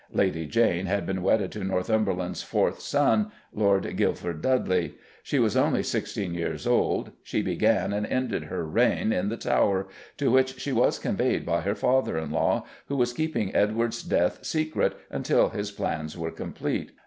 Lady Jane had been wedded to Northumberland's fourth son, Lord Guildford Dudley; she was only sixteen years old; she began and ended her "reign" in the Tower, to which she was conveyed by her father in law, who was keeping Edward's death secret until his plans were complete.